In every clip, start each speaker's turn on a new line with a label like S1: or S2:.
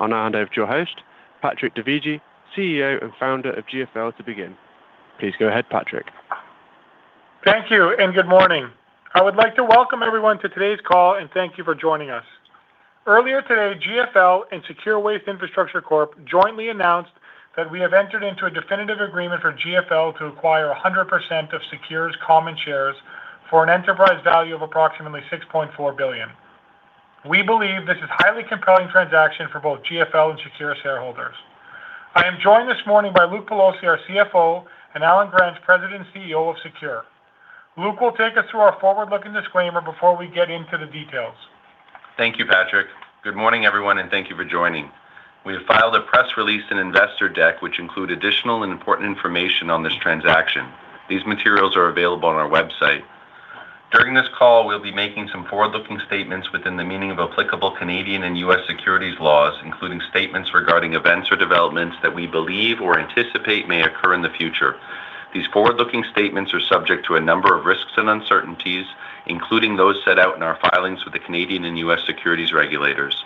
S1: I'll now hand over to your host, Patrick Dovigi, CEO and Founder of GFL, to begin. Please go ahead, Patrick.
S2: Thank you, good morning. I would like to welcome everyone to today's call and thank you for joining us. Earlier today, GFL and SECURE Waste Infrastructure Corp. jointly announced that we have entered into a definitive agreement for GFL to acquire 100% of SECURE's common shares for an enterprise value of approximately 6.4 billion. We believe this is a highly compelling transaction for both GFL and SECURE shareholders. I am joined this morning by Luke Pelosi, our CFO, and Allen Gransch, President and CEO of SECURE. Luke will take us through our forward-looking disclaimer before we get into the details.
S3: Thank you, Patrick. Good morning, everyone, and thank you for joining. We have filed a press release and investor deck, which include additional and important information on this transaction. These materials are available on our website. During this call, we'll be making some forward-looking statements within the meaning of applicable Canadian and U.S. securities laws, including statements regarding events or developments that we believe or anticipate may occur in the future. These forward-looking statements are subject to a number of risks and uncertainties, including those set out in our filings with the Canadian and U.S. securities regulators.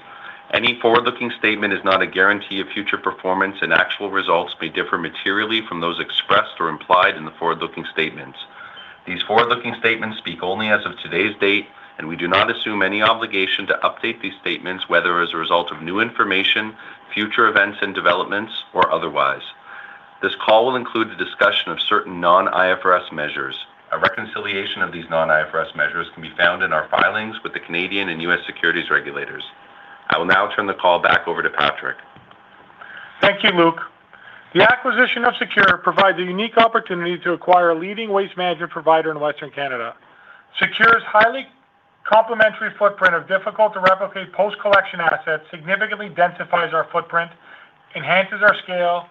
S3: Any forward-looking statement is not a guarantee of future performance, and actual results may differ materially from those expressed or implied in the forward-looking statements. These forward-looking statements speak only as of today's date, and we do not assume any obligation to update these statements, whether as a result of new information, future events and developments, or otherwise. This call will include a discussion of certain non-IFRS measures. A reconciliation of these non-IFRS measures can be found in our filings with the Canadian and U.S. securities regulators. I will now turn the call back over to Patrick.
S2: Thank you, Luke. The acquisition of SECURE provides a unique opportunity to acquire a leading waste management provider in Western Canada. SECURE's highly complementary footprint of difficult-to-replicate post-collection assets significantly densifies our footprint, enhances our scale,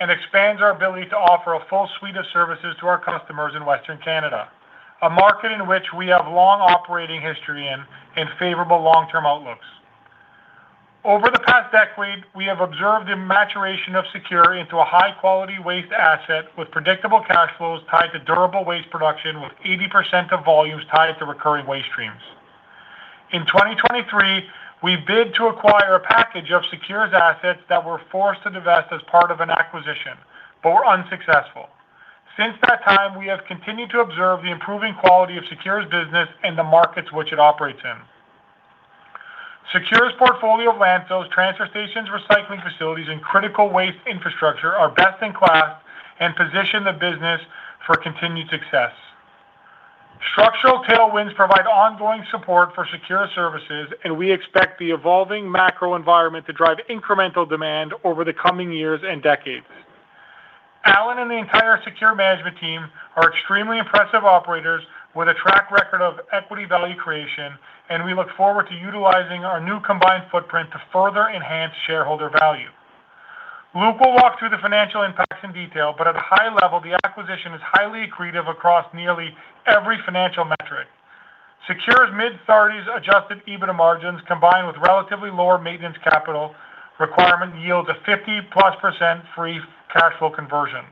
S2: and expands our ability to offer a full suite of services to our customers in Western Canada, a market in which we have long operating history in and favorable long-term outlooks. Over the past decade, we have observed the maturation of SECURE into a high-quality waste asset with predictable cash flows tied to durable waste production with 80% of volumes tied to recurring waste streams. In 2023, we bid to acquire a package of SECURE's assets that were forced to divest as part of an acquisition, but were unsuccessful. Since that time, we have continued to observe the improving quality of SECURE's business in the markets which it operates in. SECURE's portfolio of landfills, transfer stations, recycling facilities, and critical waste infrastructure are best-in-class and position the business for continued success. Structural tailwinds provide ongoing support for SECURE services, and we expect the evolving macro environment to drive incremental demand over the coming years and decades. Allen and the entire SECURE management team are extremely impressive operators with a track record of equity value creation, and we look forward to utilizing our new combined footprint to further enhance shareholder value. Luke will walk through the financial impacts in detail, but at a high level, the acquisition is highly accretive across nearly every financial metric. SECURE's mid-30s adjusted EBITDA margins, combined with relatively lower maintenance capital requirement, yield a 50%+ free cash flow conversion.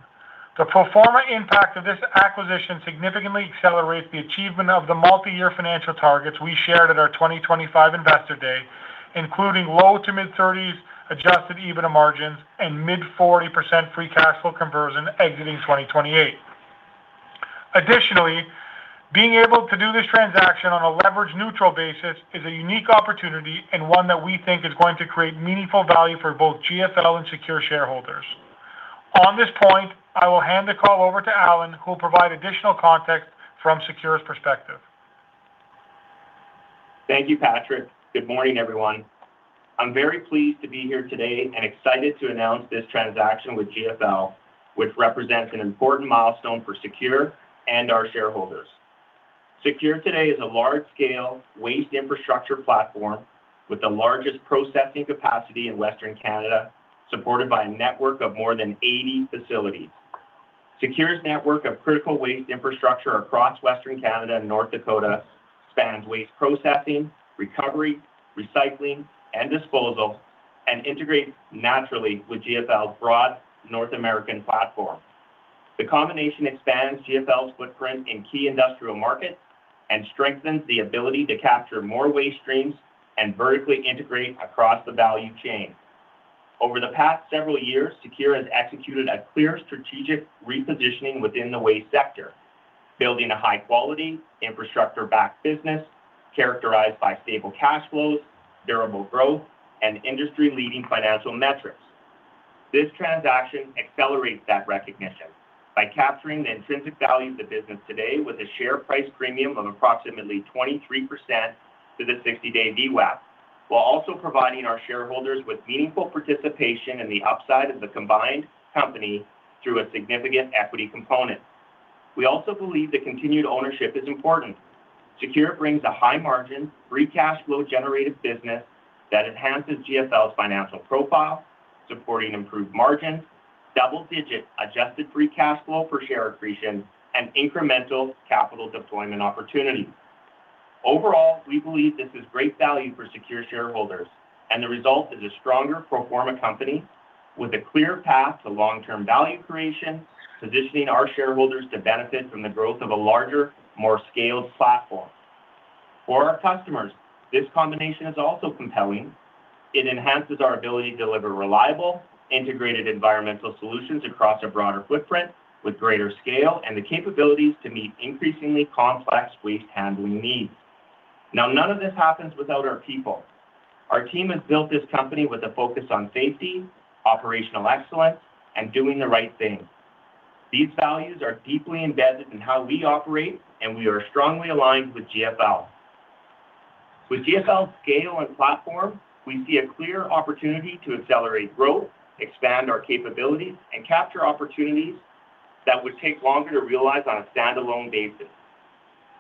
S2: The pro forma impact of this acquisition significantly accelerates the achievement of the multi-year financial targets we shared at our 2025 Investor Day, including low to mid-30s adjusted EBITDA margins and mid-40% free cash flow conversion exiting 2028. Additionally, being able to do this transaction on a leverage-neutral basis is a unique opportunity and one that we think is going to create meaningful value for both GFL and SECURE shareholders. On this point, I will hand the call over to Allen, who will provide additional context from SECURE's perspective.
S4: Thank you, Patrick. Good morning, everyone. I'm very pleased to be here today and excited to announce this transaction with GFL, which represents an important milestone for SECURE and our shareholders. SECURE today is a large-scale waste infrastructure platform with the largest processing capacity in Western Canada, supported by a network of more than 80 facilities. SECURE's network of critical waste infrastructure across Western Canada and North Dakota spans waste processing, recovery, recycling, and disposal, and integrates naturally with GFL's broad North American platform. The combination expands GFL's footprint in key industrial markets and strengthens the ability to capture more waste streams and vertically integrate across the value chain. Over the past several years, SECURE has executed a clear strategic repositioning within the waste sector, building a high-quality, infrastructure-backed business characterized by stable cash flows, durable growth, and industry-leading financial metrics. This transaction accelerates that recognition by capturing the intrinsic value of the business today with a share price premium of approximately 23% to the 60-day VWAP, while also providing our shareholders with meaningful participation in the upside of the combined company through a significant equity component. We also believe that continued ownership is important. SECURE brings a high-margin, free cash flow-generated business that enhances GFL's financial profile, supporting improved margins, double-digit adjusted free cash flow per share accretion, and incremental capital deployment opportunities. Overall, we believe this is great value for SECURE shareholders, and the result is a stronger pro forma company with a clear path to long-term value creation, positioning our shareholders to benefit from the growth of a larger, more scaled platform. For our customers, this combination is also compelling. It enhances our ability to deliver reliable, integrated environmental solutions across a broader footprint with greater scale and the capabilities to meet increasingly complex waste handling needs. Now, none of this happens without our people. Our team has built this company with a focus on safety, operational excellence, and doing the right thing. These values are deeply embedded in how we operate, and we are strongly aligned with GFL. With GFL's scale and platform, we see a clear opportunity to accelerate growth, expand our capabilities, and capture opportunities that would take longer to realize on a standalone basis.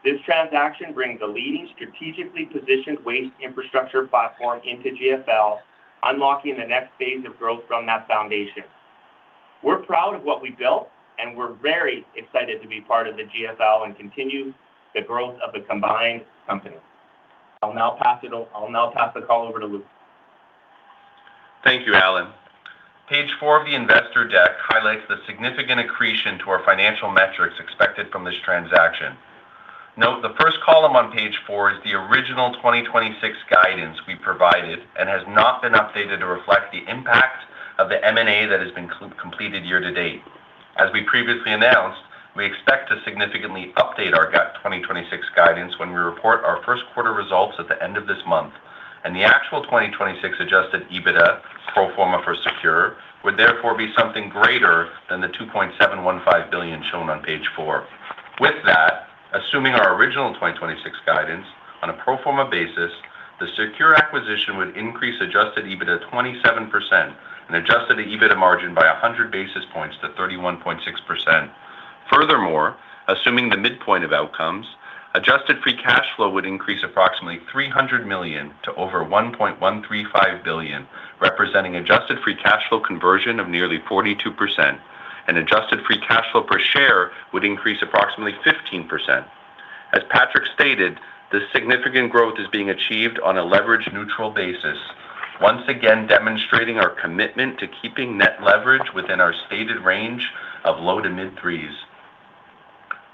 S4: This transaction brings a leading strategically positioned waste infrastructure platform into GFL, unlocking the next phase of growth from that foundation. We're proud of what we built, and we're very excited to be part of the GFL and continue the growth of the combined company. I'll now pass the call over to Luke.
S3: Thank you, Allen. Page four of the investor deck highlights the significant accretion to our financial metrics expected from this transaction. Note the first column on page four is the original 2026 guidance we provided and has not been updated to reflect the impact of the M&A that has been completed year to date. As we previously announced, we expect to significantly update our 2026 guidance when we report our Q1 results at the end of this month, and the actual 2026 Adjusted EBITDA pro forma for SECURE would therefore be something greater than the 2.715 billion shown on page four. With that, assuming our original 2026 guidance on a pro forma basis, the SECURE acquisition would increase Adjusted EBITDA 27% and Adjusted EBITDA margin by 100 basis points to 31.6%. Furthermore, assuming the midpoint of outcomes, adjusted free cash flow would increase approximately 300 million to over 1.135 billion, representing adjusted free cash flow conversion of nearly 42%, and adjusted free cash flow per share would increase approximately 15%. As Patrick stated, this significant growth is being achieved on a leverage-neutral basis, once again demonstrating our commitment to keeping net leverage within our stated range of low to mid 3s.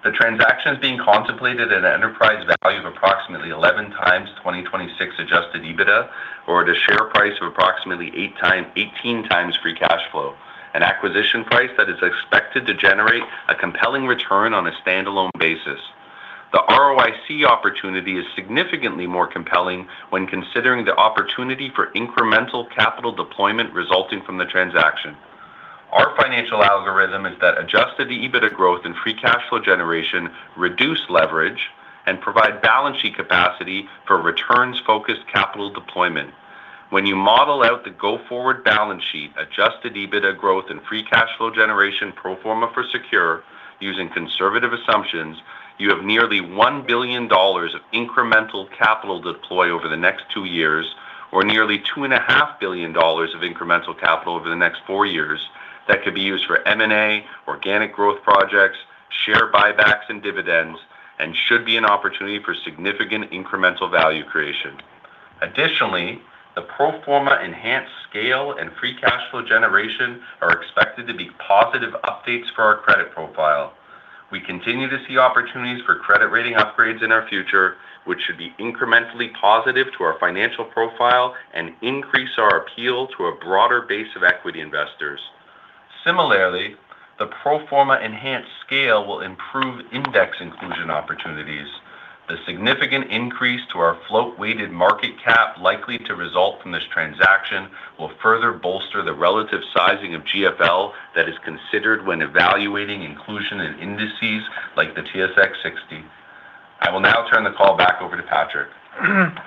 S3: The transaction is being contemplated at an enterprise value of approximately 11x 2026 adjusted EBITDA or at a share price of approximately 18x free cash flow, an acquisition price that is expected to generate a compelling return on a standalone basis. The ROIC opportunity is significantly more compelling when considering the opportunity for incremental capital deployment resulting from the transaction. Our financial algorithm is that adjusted EBITDA growth and free cash flow generation reduce leverage and provide balance sheet capacity for returns-focused capital deployment. When you model out the go-forward balance sheet, adjusted EBITDA growth, and free cash flow generation pro forma for SECURE using conservative assumptions, you have nearly 1 billion dollars of incremental capital to deploy over the next two years or nearly 2.5 billion dollars of incremental capital over the next four years that could be used for M&A, organic growth projects, share buybacks, and dividends, and should be an opportunity for significant incremental value creation. Additionally, the pro forma enhanced scale and free cash flow generation are expected to be positive updates for our credit profile. We continue to see opportunities for credit rating upgrades in our future, which should be incrementally positive to our financial profile and increase our appeal to a broader base of equity investors. Similarly, the pro forma enhanced scale will improve index inclusion opportunities. The significant increase to our float-weighted market cap likely to result from this transaction will further bolster the relative sizing of GFL that is considered when evaluating inclusion in indices like the TSX 60. I will now turn the call back over to Patrick.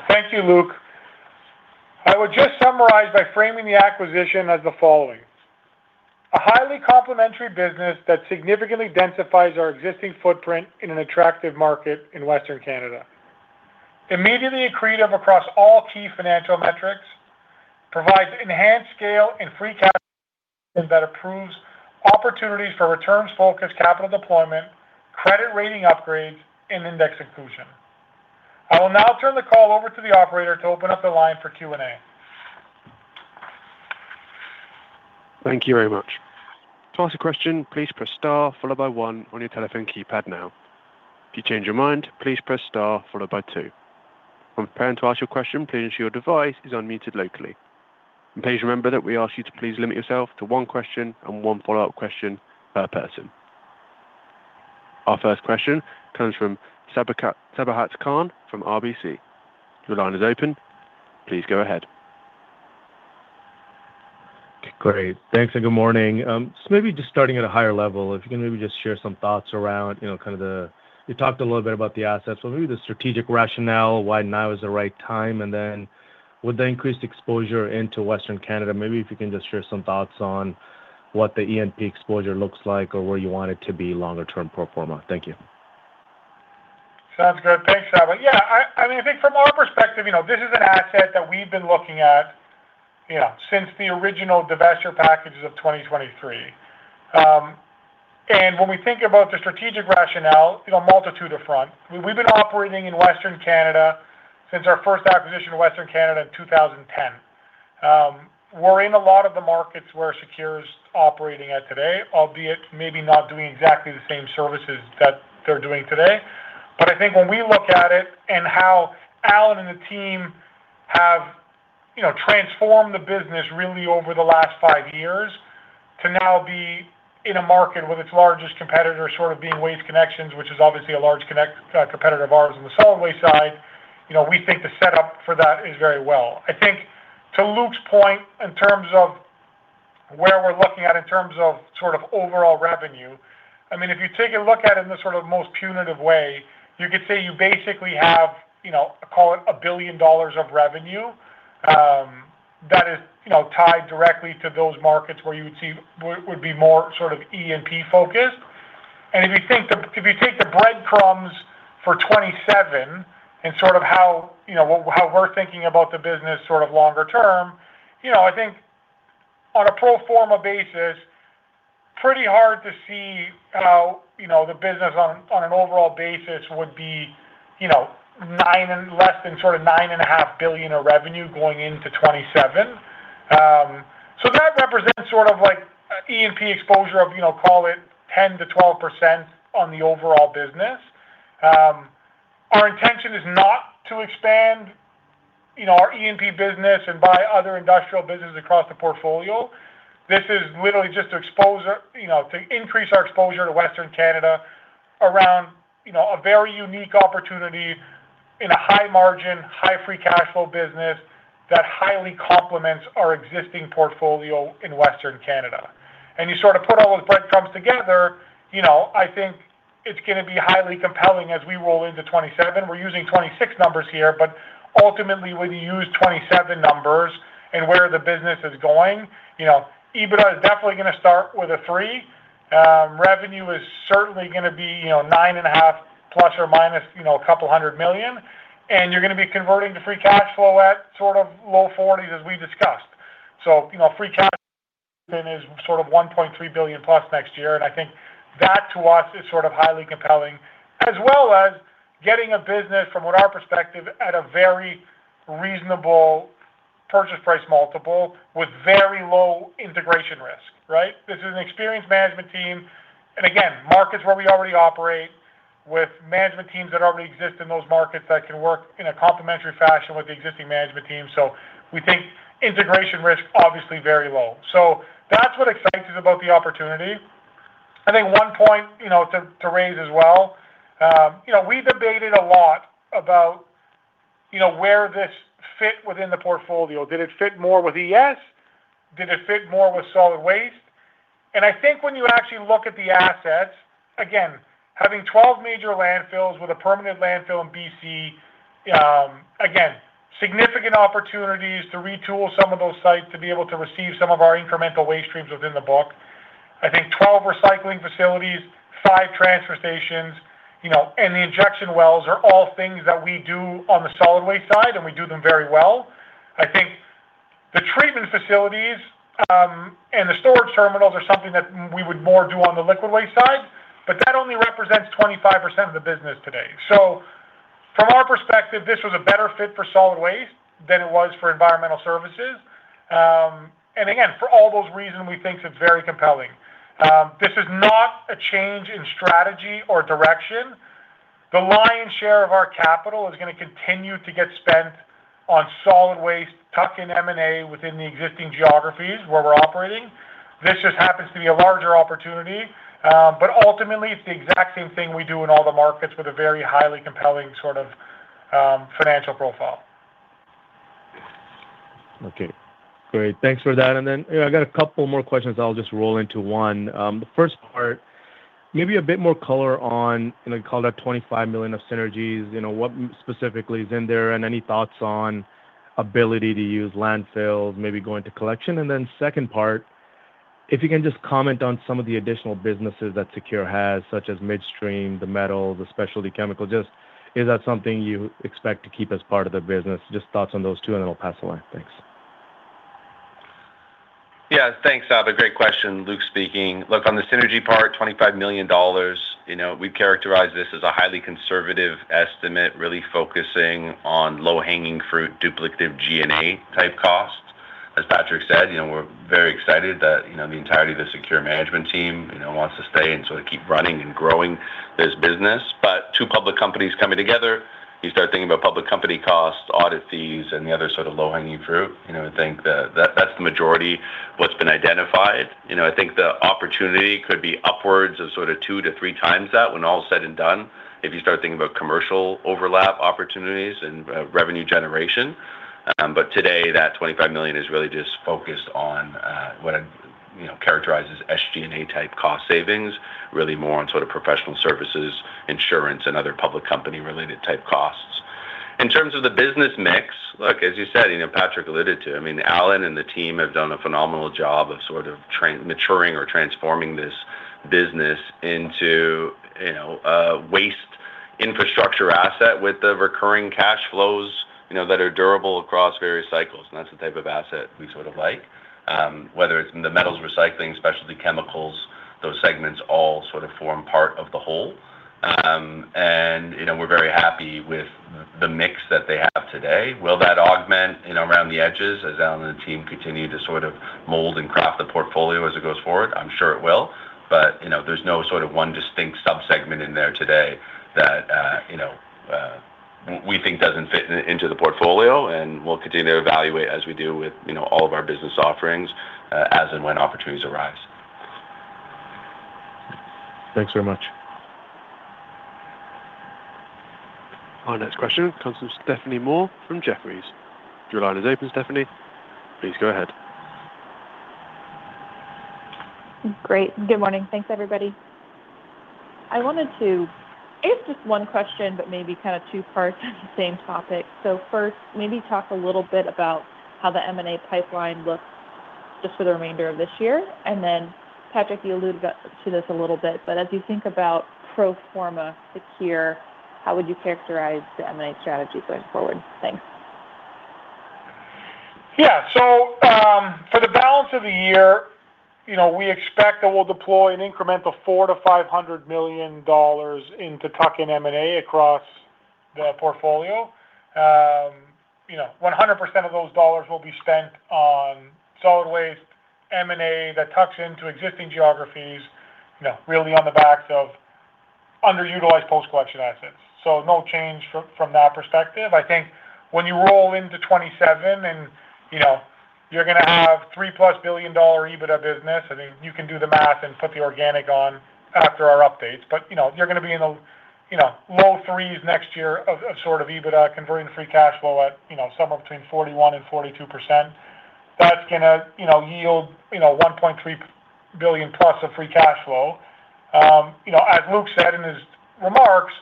S2: Thank you, Luke. I would just summarize by framing the acquisition as the following, a highly complementary business that significantly densifies our existing footprint in an attractive market in Western Canada, immediately accretive across all key financial metrics, provides enhanced scale and free cash that improves opportunities for returns-focused capital deployment, credit rating upgrades, and index inclusion. I will now turn the call over to the operator to open up the line for Q&A.
S1: hank you very much. To ask a question, please press star followed by one on your telephone keypad now. If you change your mind, please press star followed by two. When preparing to ask your question, please ensure your device is unmuted locally. Please remember that we ask you to please limit yourself to one question and one follow-up question per person. Our first question comes from Sabahat Khan from RBC. Your line is open. Please go ahead.
S5: Great. Thanks, and good morning. Maybe just starting at a higher level, if you can maybe just share some thoughts around, you talked a little bit about the assets, but maybe the strategic rationale why now is the right time, and then with the increased exposure into Western Canada, maybe if you can just share some thoughts on what the E&P exposure looks like or where you want it to be longer term pro forma? Thank you.
S2: Sounds good. Thanks, Sab. Yeah, I think from our perspective, this is an asset that we've been looking at since the original divestiture packages of 2023. When we think about the strategic rationale, a multitude of front. We've been operating in Western Canada since our first acquisition in Western Canada in 2010. We're in a lot of the markets where SECURE is operating at today, albeit maybe not doing exactly the same services that they're doing today. I think when we look at it and how Allen and the team have transformed the business really over the last five years to now be in a market with its largest competitor sort of being Waste Connections, which is obviously a large competitor of ours on the Solid Waste side, we think the setup for that is very well. I think to Luke's point in terms of where we're looking at in terms of sort of overall revenue, if you take a look at it in the sort of most punitive way, you could say you basically have, call it a billion dollars of revenue that is tied directly to those markets where you would be more sort of E&P focused. If you take the breadcrumbs for 2027 and sort of how we're thinking about the business sort of longer term, I think on a pro forma basis, pretty hard to see how the business on an overall basis would be less than sort of 9.5 billion of revenue going into 2027. That represents sort of like E&P exposure of call it 10%-12% on the overall business. Our intention is not to expand our E&P business and buy other industrial businesses across the portfolio. This is literally just to increase our exposure to Western Canada around a very unique opportunity in a high-margin, high-free-cash-flow business that highly complements our existing portfolio in Western Canada. You sort of put all those breadcrumbs together, I think it's going to be highly compelling as we roll into 2027. We're using 2026 numbers here, but ultimately, when you use 2027 numbers and where the business is going, EBITDA is definitely going to start with a three. Revenue is certainly going to be 9.5 ± a couple of 100 million. You're going to be converting to free cash flow at sort of low 40s, as we discussed. Free cash flow then is sort of 1.3 billion plus next year, and I think that to us is sort of highly compelling, as well as getting a business from our perspective at a very reasonable purchase price multiple with very low integration risk, right? This is an experienced management team, and again, markets where we already operate with management teams that already exist in those markets that can work in a complementary fashion with the existing management team. We think integration risk, obviously very low. That's what excites us about the opportunity. I think one point to raise as well. We debated a lot about where this fit within the portfolio. Did it fit more with ES? Did it fit more with solid waste? I think when you actually look at the assets, again, having 12 major landfills with a permanent landfill in B.C., again, significant opportunities to retool some of those sites to be able to receive some of our incremental waste streams within the book. I think 12 recycling facilities, five transfer stations and the injection wells are all things that we do on the solid waste side, and we do them very well. I think the treatment facilities and the storage terminals are something that we would more do on the liquid waste side, but that only represents 25% of the business today. From our perspective, this was a better fit for solid waste than it was for Environmental Services. Again, for all those reasons, we think it's very compelling. This is not a change in strategy or direction. The lion's share of our capital is going to continue to get spent on solid waste, tuck-in M&A within the existing geographies where we're operating. This just happens to be a larger opportunity. Ultimately, it's the exact same thing we do in all the markets with a very highly compelling sort of financial profile.
S5: Okay. Great. Thanks for that. I got a couple more questions I'll just roll into one. The first part, maybe a bit more color on, call it 25 million of synergies. What specifically is in there and any thoughts on ability to use landfills, maybe go into collection? Second part, if you can just comment on some of the additional businesses that SECURE has, such as midstream, the metals, the specialty chemical. Is that something you expect to keep as part of the business? Thoughts on those two, and then I'll pass along. Thanks.
S3: Yeah, thanks, Sab. A great question. Luke speaking. Look, on the synergy part, 25 million dollars, we characterize this as a highly conservative estimate, really focusing on low-hanging fruit, duplicative G&A type costs. As Patrick said, we're very excited that the entirety of the SECURE management team wants to stay and sort of keep running and growing this business. Two public companies coming together, you start thinking about public company costs, audit fees, and the other sort of low-hanging fruit. I think that's the majority what's been identified. I think the opportunity could be upwards of sort of 2-3x that when all is said and done if you start thinking about commercial overlap opportunities and revenue generation. Today, that 25 million is really just focused on what I'd characterize as SG&A-type cost savings, really more on sort of professional services, insurance, and other public company-related-type costs. In terms of the business mix, look, as you said, Patrick alluded to, Allen and the team have done a phenomenal job of sort of maturing or transforming this business into a waste. Infrastructure asset with the recurring cash flows that are durable across various cycles, and that's the type of asset we sort of like. Whether it's in the metals recycling, specialty chemicals, those segments all sort of form part of the whole. We're very happy with the mix that they have today. Will that augment around the edges as Allen and the team continue to sort of mold and craft the portfolio as it goes forward? I'm sure it will. There's no sort of one distinct sub-segment in there today that we think doesn't fit into the portfolio, and we'll continue to evaluate as we do with all of our business offerings as and when opportunities arise.
S5: Thanks very much.
S1: Our next question comes from Stephanie Moore from Jefferies. Your line is open, Stephanie. Please go ahead.
S6: Great. Good morning. Thanks, everybody. It's just one question, but maybe kind of two parts to the same topic. First, maybe talk a little bit about how the M&A pipeline looks just for the remainder of this year. Patrick, you alluded to this a little bit, but as you think about pro forma SECURE, how would you characterize the M&A strategy going forward? Thanks.
S2: Yeah. For the balance of the year, we expect that we'll deploy an incremental 400 million-500 million dollars into tuck-in M&A across the portfolio. 100% of those dollars will be spent on solid waste M&A that tucks into existing geographies, really on the backs of underutilized post-collection assets. No change from that perspective. I think when you roll into 2027, and you're going to have 3+ billion dollar EBITDA business, I mean, you can do the math and put the organic on after our updates. You're going to be in the low threes next year of sort of EBITDA converting free cash flow at somewhere between 41% and 42%. That's going to yield 1.3+ billion of free cash flow. As Luke said in his remarks,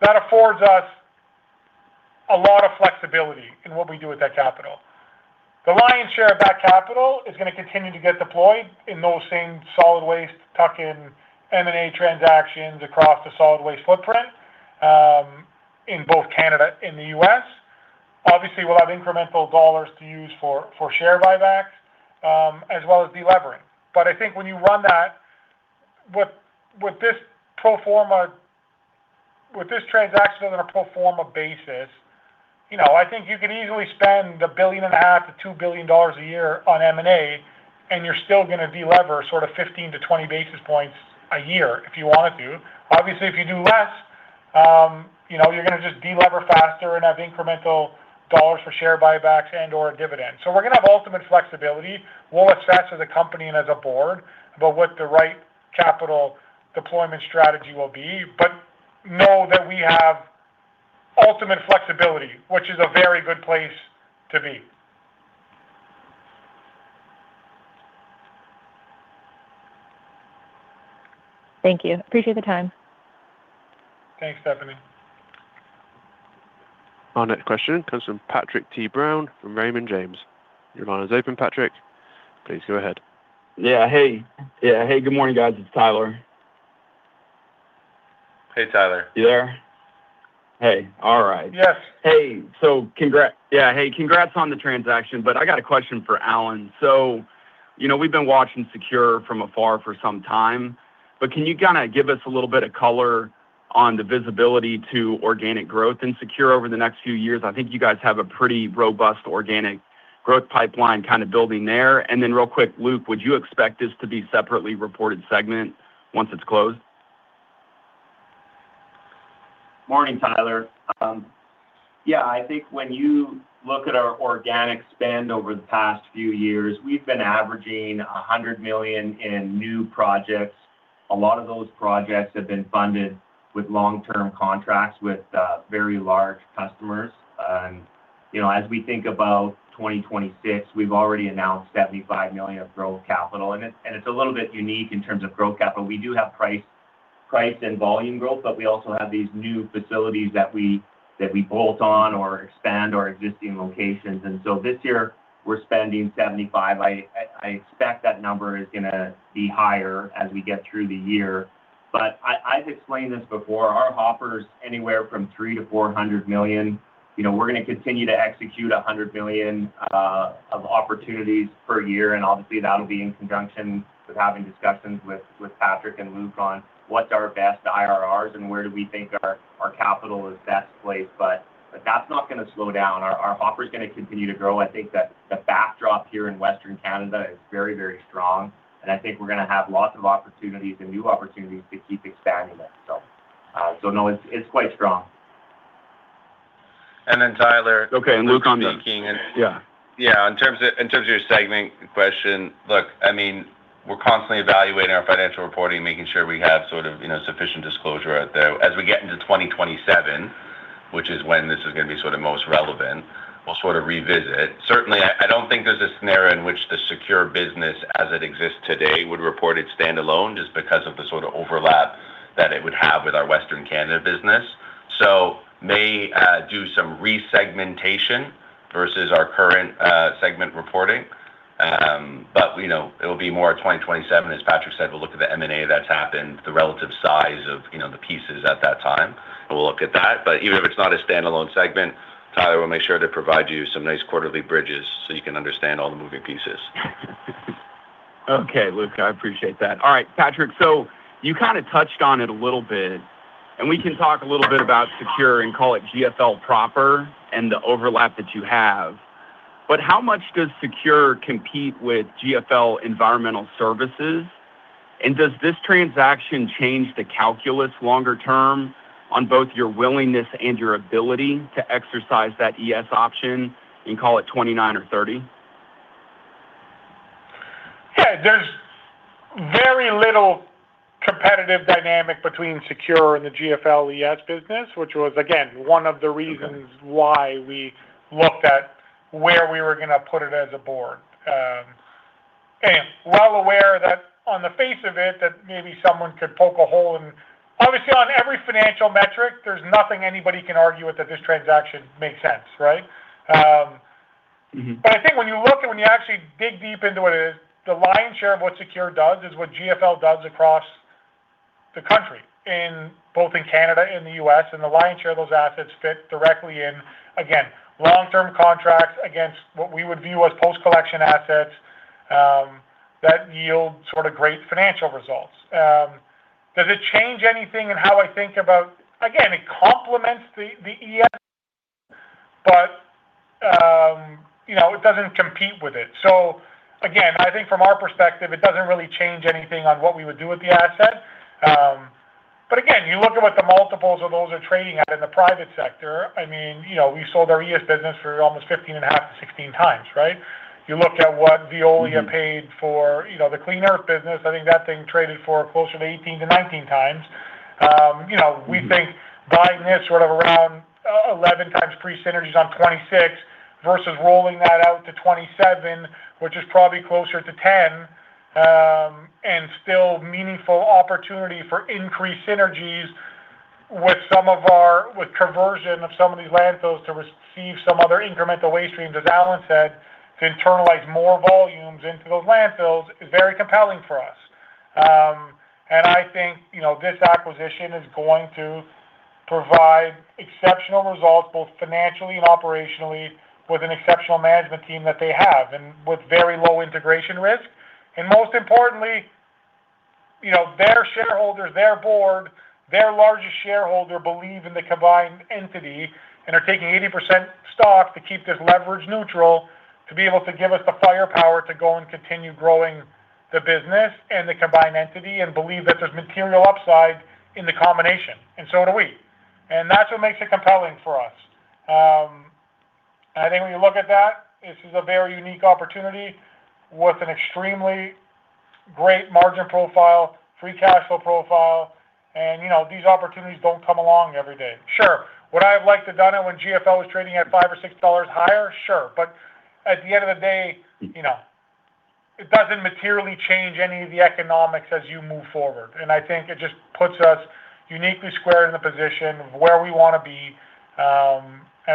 S2: that affords us a lot of flexibility in what we do with that capital. The lion's share of that capital is going to continue to get deployed in those same solid waste tuck-in M&A transactions across the solid waste footprint, in both Canada and the U.S. Obviously, we'll have incremental dollars to use for share buybacks, as well as de-levering. I think when you run that with this transaction on a pro forma basis, I think you could easily spend 1.5 billion-2 billion dollars a year on M&A, and you're still going to de-lever sort of 15-20 basis points a year if you wanted to. Obviously, if you do less, you're going to just de-lever faster and have incremental dollars for share buybacks and/or dividends. We're going to have ultimate flexibility. We'll assess as a company and as a board about what the right capital deployment strategy will be, but know that we have ultimate flexibility, which is a very good place to be.
S6: Thank you. Appreciate the time.
S2: Thanks, Stephanie.
S1: Our next question comes from Patrick T. Brown from Raymond James. Your line is open, Patrick. Please go ahead.
S7: Yeah, hey. Good morning, guys. It's Tyler.
S3: Hey, Tyler.
S7: You there? Hey, all right.
S2: Yes.
S7: Hey. Congrats on the transaction. I got a question for Allen. We've been watching SECURE from afar for some time, but can you kind of give us a little bit of color on the visibility to organic growth in SECURE over the next few years? I think you guys have a pretty robust organic growth pipeline kind of building there. Real quick, Luke, would you expect this to be a separately reported segment once it's closed?
S4: Morning, Tyler. Yeah, I think when you look at our organic spend over the past few years, we've been averaging 100 million in new projects. A lot of those projects have been funded with long-term contracts with very large customers. As we think about 2026, we've already announced 75 million of growth capital in it, and it's a little bit unique in terms of growth capital. We do have price and volume growth, but we also have these new facilities that we bolt on or expand our existing locations. This year we're spending 75. I expect that number is going to be higher as we get through the year. I've explained this before, our hopper's anywhere from 300 million-400 million. We're going to continue to execute 100 million of opportunities per year, and obviously, that'll be in conjunction with having discussions with Patrick and Luke on what our best IRRs and where do we think our capital is best placed. That's not going to slow down. Our hopper is going to continue to grow. I think that the backdrop here in Western Canada is very strong, and I think we're going to have lots of opportunities and new opportunities to keep expanding that. No, it's quite strong.
S3: Tyler.
S7: Okay, Luke, on the king and, yeah.
S3: Yeah. In terms of your segment question, look, I mean, we're constantly evaluating our financial reporting, making sure we have sort of sufficient disclosure out there. As we get into 2027, which is when this is going to be sort of most relevant, we'll sort of revisit. Certainly, I don't think there's a scenario in which the SECURE business as it exists today would report it standalone just because of the sort of overlap that it would have with our Western Canada business. May do some resegmentation versus our current segment reporting. It'll be more 2027, as Patrick said. We'll look at the M&A that's happened, the relative size of the pieces at that time, and we'll look at that. Even if it's not a standalone segment, Tyler, we'll make sure to provide you some nice quarterly bridges so you can understand all the moving pieces.
S7: Okay, Luke, I appreciate that. All right, Patrick, you kind of touched on it a little bit, and we can talk a little bit about SECURE and call it GFL proper and the overlap that you have, but how much does SECURE compete with GFL Environmental Services? Does this transaction change the calculus longer term on both your willingness and your ability to exercise that ES option in, call it, 2029 or 2030?
S2: Yeah. There's very little competitive dynamic between SECURE and the GFL ES business, which was, again, one of the reasons why we looked at where we were going to put it as a Board. Well aware that on the face of it, that maybe someone could poke a hole in, obviously, on every financial metric, there's nothing anybody can argue with that this transaction makes sense, right?
S7: Mm-hmm.
S2: I think when you look and when you actually dig deep into what it is, the lion's share of what SECURE does is what GFL does across the country, both in Canada and the U.S., and the lion's share of those assets fit directly in. Again, long-term contracts against what we would view as post-collection assets that yield great financial results. Does it change anything in how I think about? Again, it complements the ES, but it doesn't compete with it. Again, I think from our perspective, it doesn't really change anything on what we would do with the asset. Again, you look at what the multiples of those are trading at in the private sector. We sold our ES business for almost 15.5-16x, right? You look at what Veolia paid for the Clean Earth business. I think that thing traded for closer to 18-19x. We think buying this sort of around 11x pre-synergies on 2026 versus rolling that out to 2027, which is probably closer to 10x, and still meaningful opportunity for increased synergies with conversion of some of these landfills to receive some other incremental waste streams, as Allen said, to internalize more volumes into those landfills, is very compelling for us. I think this acquisition is going to provide exceptional results, both financially and operationally, with an exceptional management team that they have and with very low integration risk. Most importantly, their shareholders, their board, their largest shareholder believe in the combined entity and are taking 80% stock to keep this leverage neutral to be able to give us the firepower to go and continue growing the business and the combined entity and believe that there's material upside in the combination, and so do we. That's what makes it compelling for us. I think when you look at that, this is a very unique opportunity with an extremely great margin profile, free cash flow profile, and these opportunities don't come along every day. Sure. Would I have liked to done it when GFL was trading at 5 or 6 dollars higher? Sure. At the end of the day, it doesn't materially change any of the economics as you move forward. I think it just puts us uniquely square in the position of where we want to be.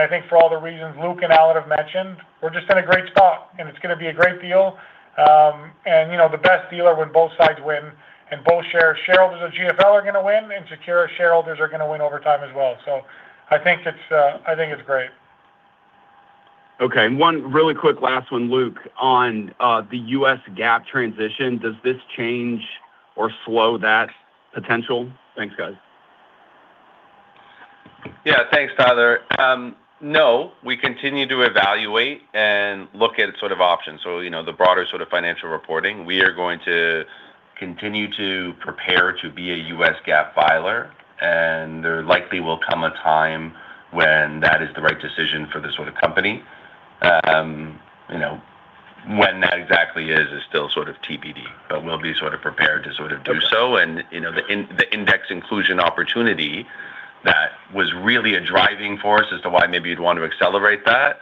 S2: I think for all the reasons Luke and Allen have mentioned, we're just in a great spot, and it's going to be a great deal. The best deal are when both sides win, and shareholders of GFL are going to win, and SECURE shareholders are going to win over time as well. I think it's great.
S7: Okay. One really quick last one, Luke, on the U.S. GAAP transition. Does this change or slow that potential? Thanks, guys.
S3: Yeah. Thanks, Tyler. No, we continue to evaluate and look at sort of options. The broader sort of financial reporting, we are going to continue to prepare to be a U.S. GAAP filer, and there likely will come a time when that is the right decision for this sort of company. When that exactly is still sort of TBD, but we'll be sort of prepared to sort of do so.
S7: Okay.
S3: The index inclusion opportunity that was really a driving force as to why maybe you'd want to accelerate that.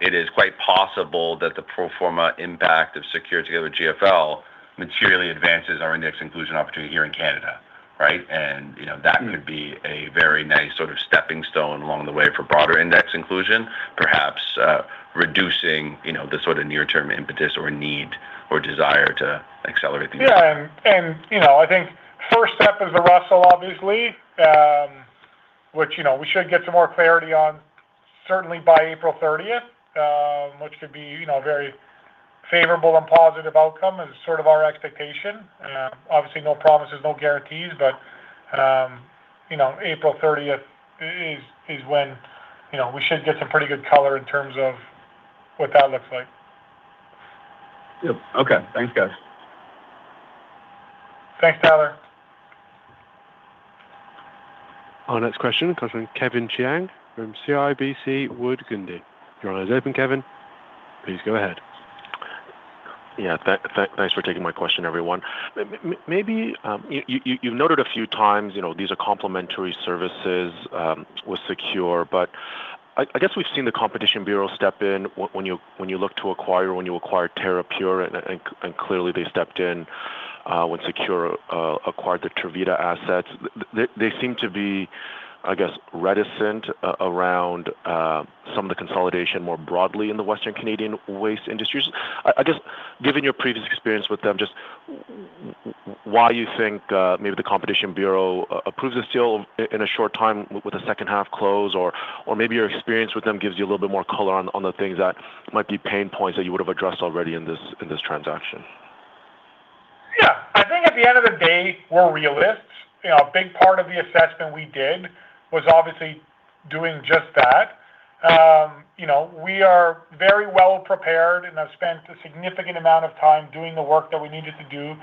S3: It is quite possible that the pro forma impact of SECURE together with GFL materially advances our index inclusion opportunity here in Canada, right? That could be a very nice sort of stepping stone along the way for broader index inclusion, perhaps reducing the sort of near-term impetus or need or desire to accelerate these things.
S2: Yeah. I think first step is the Russell, obviously, which we should get some more clarity on certainly by April 30th, which could be very favorable, and positive outcome is sort of our expectation. Obviously, no promises, no guarantees, but April 30th is when we should get some pretty good color in terms of what that looks like.
S7: Yep. Okay. Thanks, guys.
S2: Thanks, Tyler.
S1: Our next question comes from Kevin Chiang from CIBC Wood Gundy. Your line is open, Kevin. Please go ahead.
S8: Yeah. Thanks for taking my question, everyone. Maybe you've noted a few times, these are complementary services with SECURE. I guess we've seen the Competition Bureau step in when you acquired Terrapure. Clearly they stepped in when SECURE acquired the Tervita assets. They seem to be, I guess, reticent around some of the consolidation more broadly in the Western Canadian waste industries. I guess, given your previous experience with them, just why you think maybe the Competition Bureau approves this deal in a short time with a H2 close? Maybe your experience with them gives you a little bit more color on the things that might be pain points that you would have addressed already in this transaction.
S2: Yeah, I think at the end of the day, we're realists. A big part of the assessment we did was obviously doing just that. We are very well-prepared and have spent a significant amount of time doing the work that we needed to do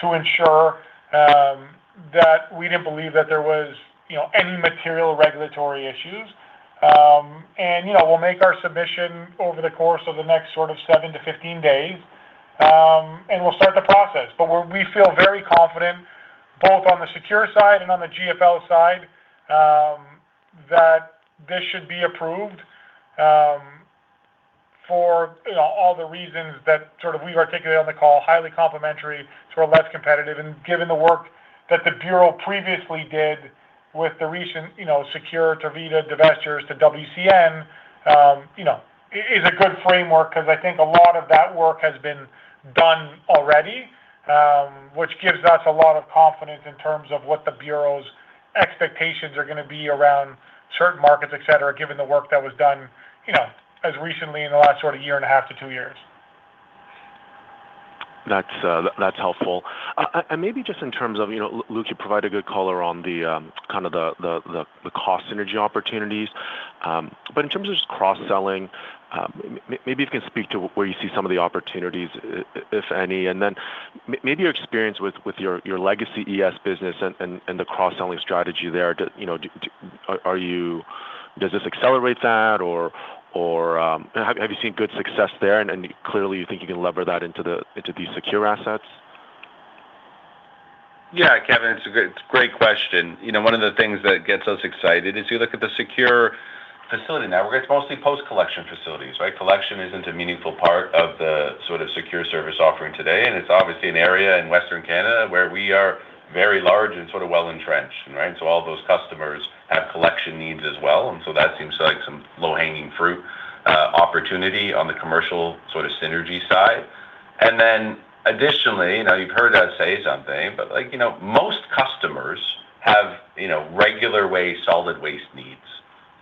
S2: to ensure that we didn't believe that there was any material regulatory issues. We'll make our submission over the course of the next sort of 7-15 days, and we'll start the process. But we feel very confident, both on the Secure side and on the GFL side, that this should be approved for all the reasons that sort of we've articulated on the call, highly complementary to our less competitive, and given the work that the bureau previously did with the recent Secure, Tervita divestitures to WCN, is a good framework because I think a lot of that work has been done already, which gives us a lot of confidence in terms of what the bureau's expectations are going to be around certain markets, et cetera, given the work that was done as recently as in the last sort of 1.5 to two years.
S8: That's helpful. Maybe just in terms of, Luke, you provide a good color on the cost synergy opportunities. In terms of just cross-selling, maybe you can speak to where you see some of the opportunities, if any, and then maybe your experience with your legacy ES business and the cross-selling strategy there. Does this accelerate that? Have you seen good success there, and clearly you think you can lever that into these SECURE assets?
S3: Yeah, Kevin, it's a great question. One of the things that gets us excited is you look at the SECURE facility network, it's mostly post-collection facilities, right? Collection isn't a meaningful part of the sort of SECURE service offering today, and it's obviously an area in Western Canada where we are very large and sort of well-entrenched, right? All those customers have collection needs as well, and so that seems like some low-hanging fruit opportunity on the commercial sort of synergy side. Additionally, you've heard us say something, but most customers have regular waste, solid waste needs,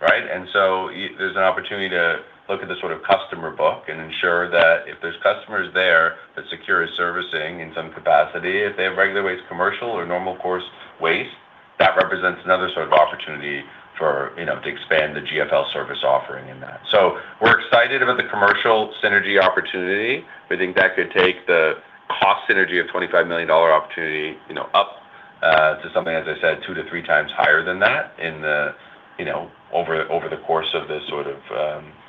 S3: right? There's an opportunity to look at the sort of customer book and ensure that if there's customers there that SECURE is servicing in some capacity, if they have regular waste commercial or normal course waste, that represents another sort of opportunity to expand the GFL service offering in that. We're excited about the commercial synergy opportunity. We think that could take the cost synergy of 25 million dollar opportunity up to something, as I said, two to three times higher than that over the course of this sort of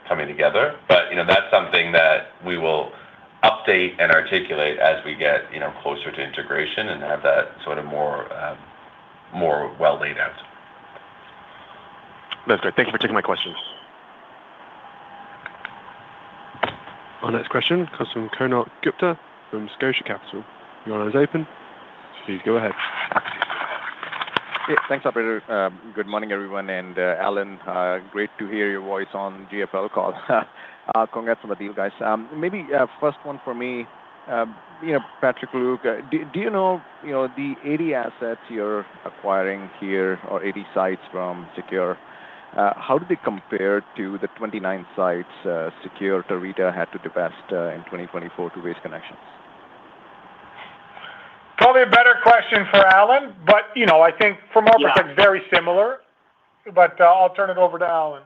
S3: coming together. That's something that we will update and articulate as we get closer to integration and have that sort of more well laid out.
S8: That's good. Thank you for taking my questions.
S1: Our next question comes from Konark Gupta from Scotia Capital. Your line is open. Please go ahead.
S9: Yeah. Thanks, operator. Good morning, everyone. Allen, great to hear your voice on GFL call. Congrats on the deal, guys. Maybe first one for me, Patrick, Luke, do you know the 80 assets you're acquiring here or 80 sites from SECURE? How do they compare to the 29 sites SECURE, Tervita had to divest in 2024 to Waste Connections?
S2: Probably a better question for Allen, but I think from our perspective is very similar. I'll turn it over to Allen.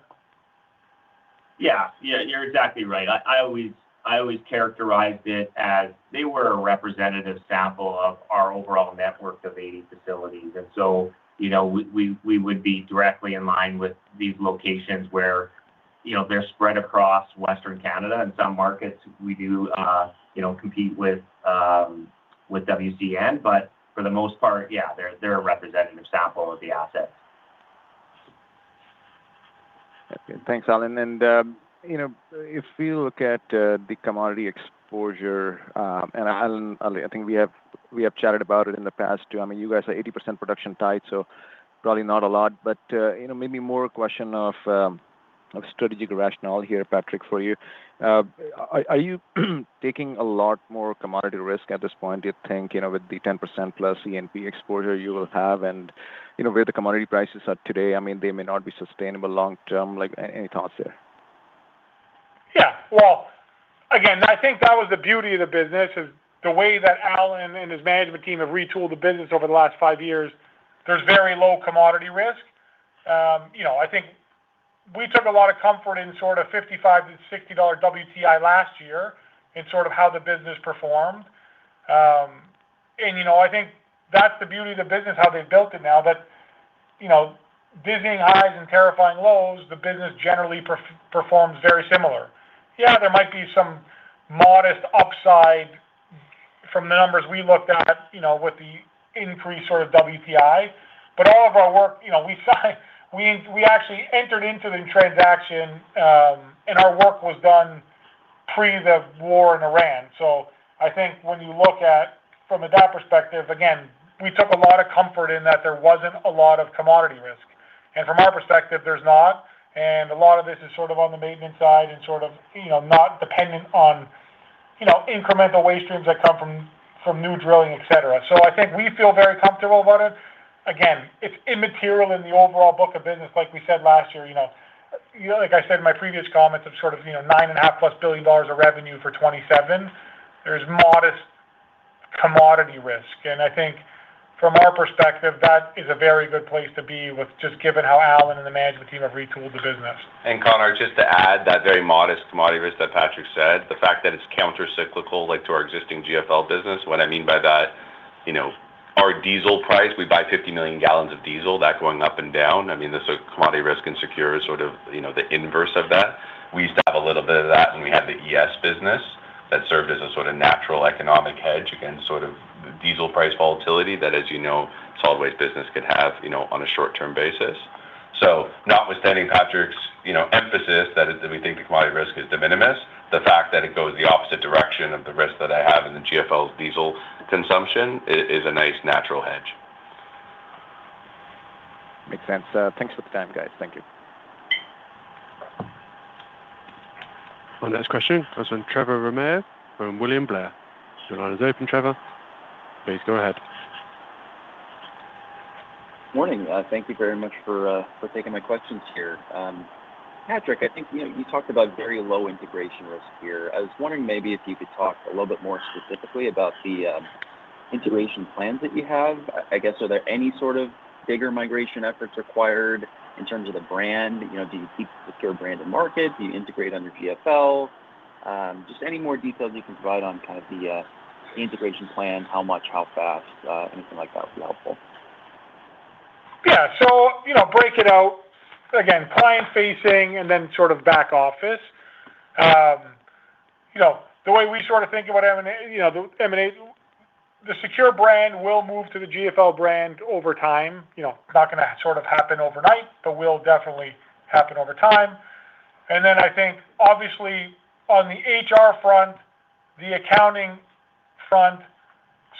S4: Yeah, you're exactly right. I always characterized it as they were a representative sample of our overall network of 80 facilities. We would be directly in line with these locations where they're spread across Western Canada. In some markets, we do compete with WCN, but for the most part, yeah, they're a representative sample of the assets.
S9: Thanks, Allen. If you look at the commodity exposure, and Allen, I think we have chatted about it in the past, too. I mean, you guys are 80% production-tied, so probably not a lot, but maybe more a question of strategic rationale here, Patrick, for you. Are you taking a lot more commodity risk at this point, do you think, with the 10%+ E&P exposure you will have and where the commodity prices are today? I mean, they may not be sustainable long term. Any thoughts there?
S2: Yeah. Well, again, I think that was the beauty of the business is the way that Allen and his management team have retooled the business over the last five years. There's very low commodity risk. I think we took a lot of comfort in sort of 55-60 dollar WTI last year in sort of how the business performed. I think that's the beauty of the business, how they've built it now, but dizzying highs and terrifying lows, the business generally performs very similar. Yeah, there might be some modest upside from the numbers we looked at with the increased sort of WTI. All of our work, we actually entered into the transaction, and our work was done pre the war in Iran. I think when you look at it from that perspective, again, we took a lot of comfort in that there wasn't a lot of commodity risk. From our perspective, there's not, and a lot of this is sort of on the maintenance side and not dependent on incremental waste streams that come from new drilling, et cetera. I think we feel very comfortable about it. Again, it's immaterial in the overall book of business, like we said last year. Like I said in my previous comments, of sort of 9.5 plus billion of revenue for 2027, there's modest commodity risk. I think from our perspective, that is a very good place to be with just given how Allen and the management team have retooled the business.
S3: Konark, just to add that very modest commodity risk that Patrick said, the fact that it's countercyclical to our existing GFL business, what I mean by that, our diesel price, we buy 50 million gallons of diesel, that going up and down. I mean, the sort of commodity risk in SECURE is sort of the inverse of that. We used to have a little bit of that when we had the ES business that served as a sort of natural economic hedge against sort of diesel price volatility that, as you know, solid waste business could have on a short-term basis. Notwithstanding Patrick's emphasis that we think the commodity risk is de minimis, the fact that it goes the opposite direction of the risk that I have in the GFL's diesel consumption is a nice natural hedge.
S9: Makes sense. Thanks for the time, guys. Thank you.
S1: Our next question comes from Trevor Romeo from William Blair. Your line is open, Trevor. Please go ahead.
S10: morning. Thank you very much for taking my questions here. Patrick, I think you talked about very low integration risk here. I was wondering maybe if you could talk a little bit more specifically about the integration plans that you have. I guess, are there any sort of bigger migration efforts required in terms of the brand? Do you keep the SECURE brand to market? Do you integrate under GFL? Just any more details you can provide on kind of the integration plan, how much, how fast, anything like that would be helpful.
S2: Yeah. Break it out, again, client-facing and then sort of back office. The way we sort of think about M&A, the SECURE brand will move to the GFL brand over time. It is not going to sort of happen overnight, but will definitely happen over time. I think obviously on the HR front, the accounting front,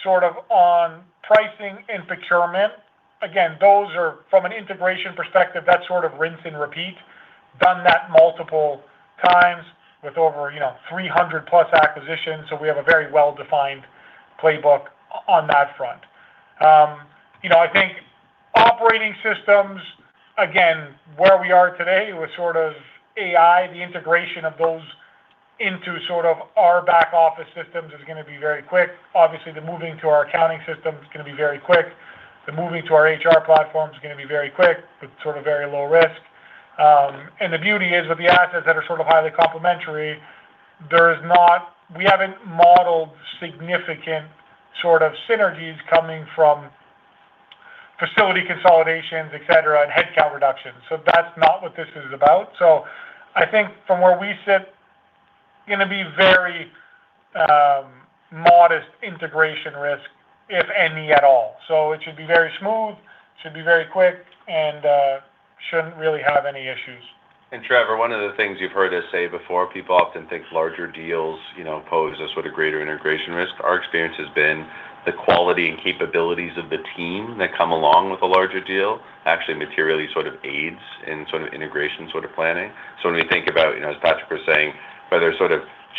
S2: sort of on pricing and procurement. Again, from an integration perspective, that's sort of rinse and repeat. We have done that multiple times with over 300+ acquisitions. We have a very well-defined playbook on that front. I think operating systems, again, where we are today with sort of AI, the integration of those into sort of our back-office systems is going to be very quick. Obviously, the moving to our accounting system is going to be very quick. Moving to our HR platform is going to be very quick, with sort of very low risk. The beauty is, with the assets that are sort of highly complementary, we haven't modeled significant sort of synergies coming from facility consolidations, et cetera, and headcount reductions. That's not what this is about. I think from where we sit, going to be very modest integration risk, if any, at all. It should be very smooth, it should be very quick, and shouldn't really have any issues.
S3: Trevor, one of the things you've heard us say before, people often think larger deals pose a sort of greater integration risk. Our experience has been the quality and capabilities of the team that come along with a larger deal actually materially sort of aids in sort of integration sort of planning. When you think about, as Patrick was saying, whether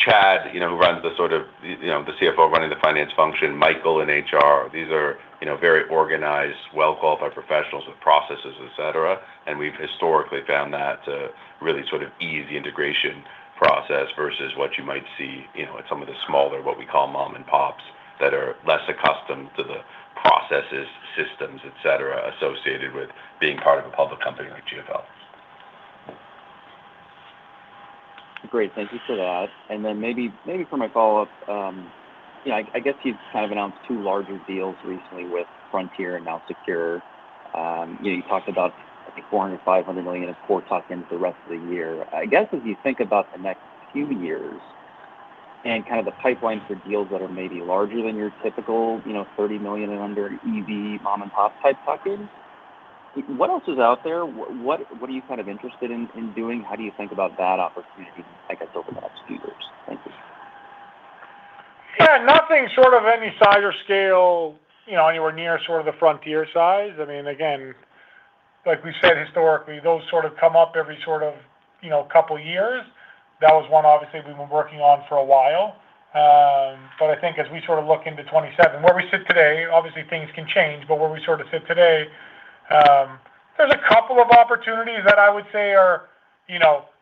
S3: sort of Chad, the CFO running the finance function, Michael in HR, these are very organized, well-qualified professionals with processes, et cetera. We've historically found that to really sort of ease the integration process versus what you might see in some of the smaller, what we call mom-and-pops, that are less accustomed to the processes, systems, et cetera, associated with being part of a public company like GFL.
S10: Great. Thank you for that. Maybe for my follow-up, I guess you've kind of announced two larger deals recently with Frontier and now SECURE. You talked about, I think 400 million-500 million in core tuck-ins the rest of the year. I guess as you think about the next few years and kind of the pipeline for deals that are maybe larger than your typical 30 million and under EV mom-and-pop type tuck-ins, what else is out there? What are you kind of interested in doing? How do you think about that opportunity, I guess, over the next few years? Thank you.
S2: Yeah, nothing short of any size or scale anywhere near sort of the Frontier size. I mean, again, like we've said historically, those sort of come up every sort of couple years. That was one obviously we've been working on for a while. I think as we sort of look into 2027, where we sit today, obviously things can change, but where we sort of sit today, there's a couple of opportunities that I would say are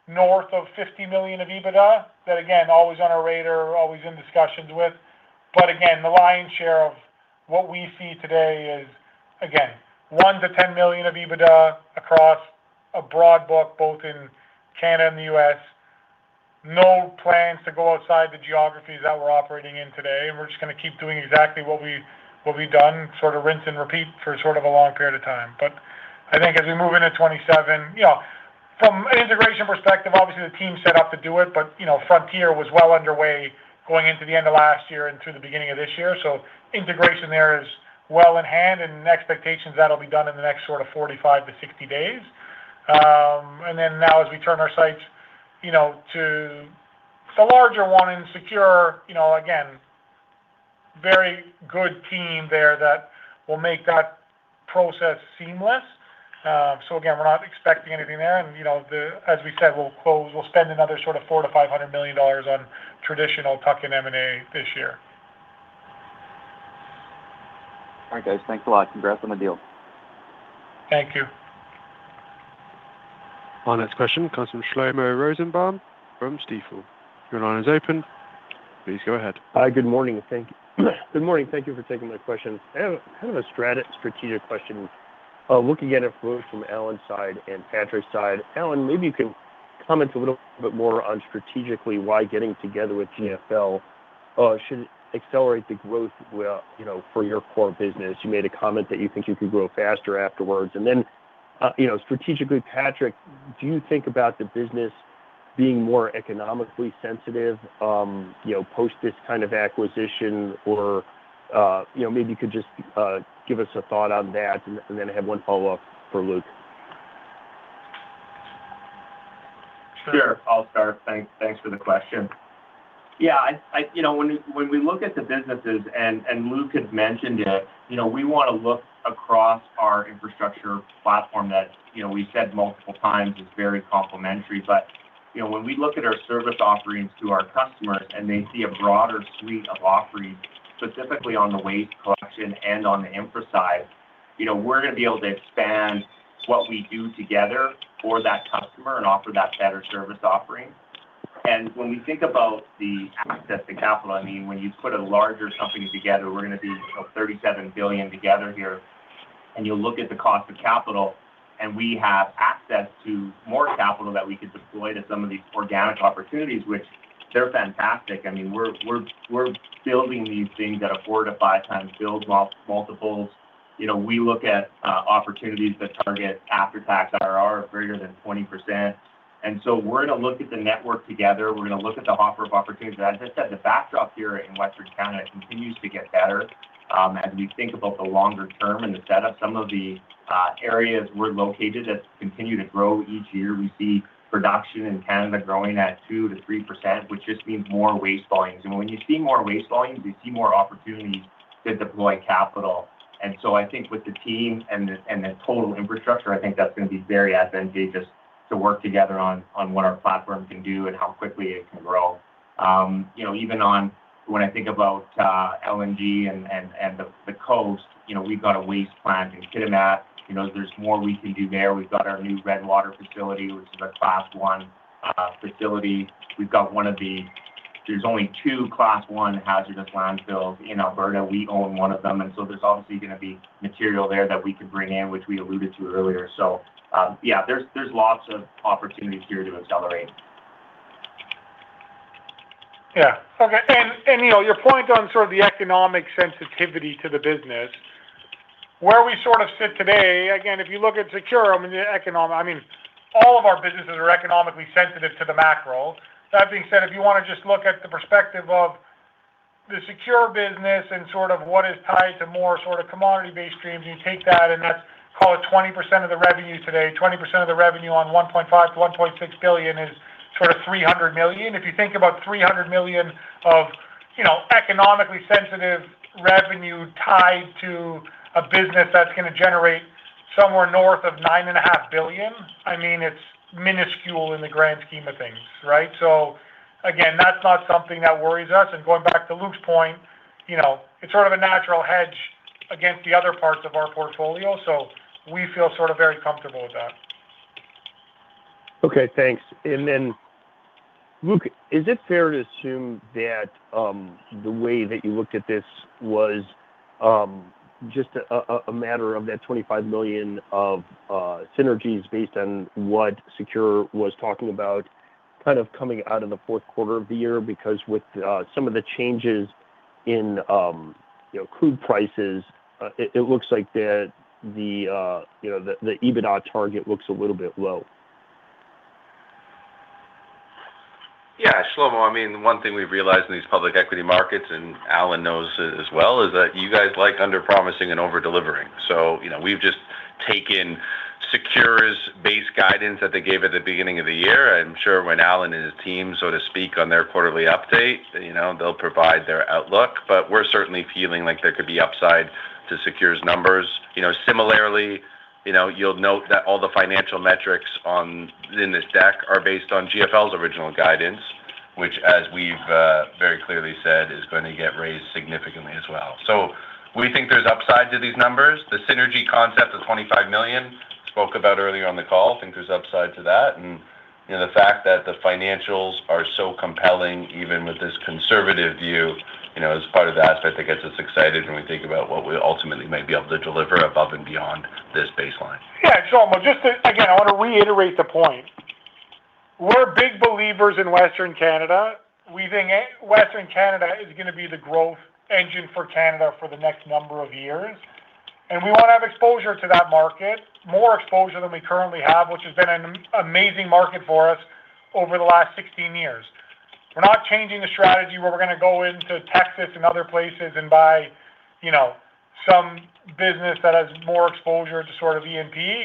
S2: north of 50 million of EBITDA that again, always on our radar, always in discussions with. Again, the lion's share of what we see today is, again, 1 million-10 million of EBITDA across a broad book, both in Canada and the U.S. No plans to go outside the geographies that we're operating in today, and we're just going to keep doing exactly what we've done, sort of rinse and repeat for sort of a long period of time. I think as we move into 2027, from an integration perspective, obviously the team's set up to do it, but Frontier was well underway going into the end of last year and through the beginning of this year. Integration there is well in hand and expectations that'll be done in the next sort of 45-60 days. Now as we turn our sights to the larger one and SECURE, again, very good team there that will make that process seamless. Again, we're not expecting anything there. As we said, we'll spend another sort of 400 million-500 million dollars on traditional tuck-in M&A this year.
S10: All right, guys. Thanks a lot. Congrats on the deal.
S2: Thank you.
S1: Our next question comes from Shlomo Rosenbaum from Stifel. Your line is open. Please go ahead.
S11: Hi. Good morning. Thank you for taking my question. I have kind of a strategic question. Looking at it from Allen's side and Patrick's side, Allen, maybe you can comment a little bit more on strategically why getting together with GFL should accelerate the growth for your core business. You made a comment that you think you could grow faster afterwards. Strategically, Patrick, do you think about the business being more economically sensitive post this kind of acquisition or maybe you could just give us a thought on that, and then I have one follow-up for Luke.
S4: Sure. I'll start. Thanks for the question. Yeah. When we look at the businesses, and Luke had mentioned it, we want to look across our infrastructure platform that we said multiple times is very complementary. When we look at our service offerings to our customers and they see a broader suite of offerings, specifically on the waste collection and on the infra side, we're going to be able to expand what we do together for that customer and offer that better service offering. When we think about the access to capital, when you put a larger company together, we're going to be 37 billion together here, and you look at the cost of capital, and we have access to more capital that we could deploy to some of these organic opportunities, which they're fantastic. We're building these things at a 4-5x multiples. We look at opportunities that target after-tax IRR of greater than 20%. We're going to look at the network together. We're going to look at the offer of opportunities. As I said, the backdrop here in Western Canada continues to get better as we think about the longer term and the set of some of the areas we're located at continue to grow each year. We see production in Canada growing at 2%-3%, which just means more waste volumes. When you see more waste volumes, we see more opportunities to deploy capital. I think with the team and the total infrastructure, I think that's going to be very advantageous to work together on what our platform can do and how quickly it can grow. Even when I think about LNG and the coast, we've got a waste plant in Kitimat. There's more we can do there. We've got our new Redwater facility, which is a Class I facility. There's only two Class I hazardous landfills in Alberta. We own one of them, and so there's obviously going to be material there that we could bring in, which we alluded to earlier. Yeah, there's lots of opportunities here to accelerate.
S2: Yeah. Okay. Your point on sort of the economic sensitivity to the business, where we sort of sit today, again, if you look at SECURE, all of our businesses are economically sensitive to the macro. That being said, if you want to just look at the perspective of the SECURE business and sort of what is tied to more sort of commodity-based streams, and you take that, and let's call it 20% of the revenue today, 20% of the revenue on 1.5 billion-1.6 billion is sort of 300 million. If you think about 300 million of economically sensitive revenue tied to a business that's going to generate somewhere north of 9.5 Billion, it's minuscule in the grand scheme of things, right? Again, that's not something that worries us. Going back to Luke's point, it's sort of a natural hedge against the other parts of our portfolio, so we feel sort of very comfortable with that.
S11: Okay, thanks. Luke, is it fair to assume that the way that you looked at this was just a matter of that 25 million of synergies based on what SECURE was talking about, kind of coming out in the Q4 of the year, because with some of the changes in crude prices, it looks like the EBITDA target looks a little bit low?
S3: Yeah. Shlomo, one thing we've realized in these public equity markets, and Allen knows it as well, is that you guys like under-promising and over-delivering. We've just taken SECURE's base guidance that they gave at the beginning of the year. I'm sure when Allen and his team, so to speak, on their quarterly update, they'll provide their outlook. We're certainly feeling like there could be upside to SECURE's numbers. Similarly, you'll note that all the financial metrics in this deck are based on GFL's original guidance, which as we've very clearly said, is going to get raised significantly as well. We think there's upside to these numbers. The synergy concept of 25 million spoke about earlier on the call, think there's upside to that, and the fact that the financials are so compelling, even with this conservative view, is part of the aspect that gets us excited when we think about what we ultimately may be able to deliver above and beyond this baseline.
S2: Yeah, Shlomo, just again, I want to reiterate the point. We're big believers in Western Canada. We think Western Canada is going to be the growth engine for Canada for the next number of years, and we want to have exposure to that market, more exposure than we currently have, which has been an amazing market for us over the last 16 years. We're not changing the strategy where we're going to go into Texas and other places and buy some business that has more exposure to sort of E&P.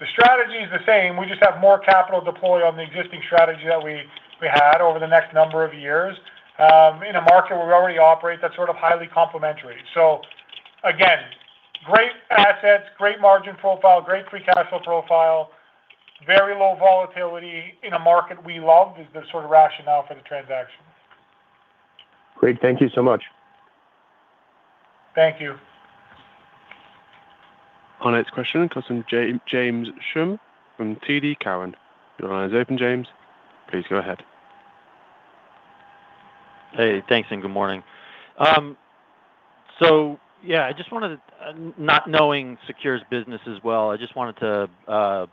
S2: The strategy is the same. We just have more capital deployed on the existing strategy that we had over the next number of years, in a market where we already operate that's sort of highly complementary. Again, great assets, great margin profile, great free cash flow profile, very low volatility in a market we love is the sort of rationale for the transaction.
S11: Great. Thank you so much.
S2: Thank you.
S1: Our next question comes from James Schumm from TD Cowen. Your line is open, James. Please go ahead.
S12: Hey, thanks, and good morning. Yeah, not knowing SECURE's business as well, I just wanted to